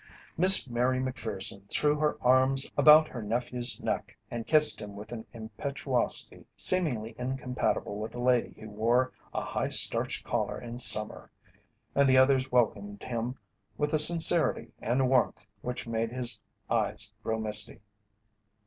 Miss Mary Macpherson threw her arms about her nephew's neck and kissed him with an impetuosity seemingly incompatible with a lady who wore a high starched collar in summer, and the others welcomed him with a sincerity and warmth which made his eyes grow misty.